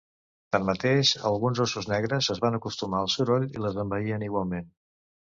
Tanmateix, alguns óssos negres es van acostumar al soroll i les envaïen igualment.